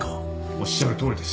おっしゃるとおりです。